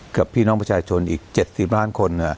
กับพี่น้องประชาชนอีก๗๐ล้านคน